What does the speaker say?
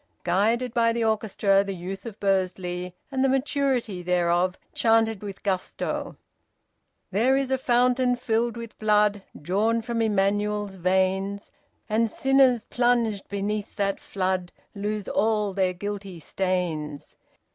Guided by the orchestra, the youth of Bursley and the maturity thereof chanted with gusto There is a fountain filled with blood Drawn from Emmanuel's veins; And sinners, plunged beneath that flood, Lose all their guilty stains.